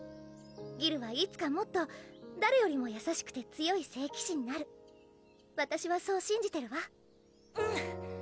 ギルはいつかもっと誰よりも優しくて強い聖騎士になる私はそう信じてるわうん！